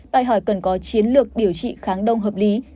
đòi hỏi cần có chiến lược điều trị kháng đông hợp lý